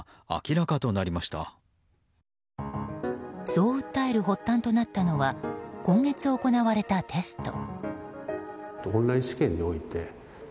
そう訴える発端となったのは今月行われたテスト。